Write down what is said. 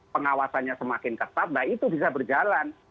pengawasannya semakin ketat nah itu bisa berjalan